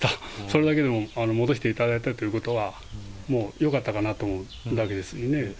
それだけでも戻していただいたということは、もうよかったかなと思うだけですね。